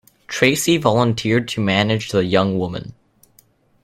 Tracey volunteered to manage the young woman.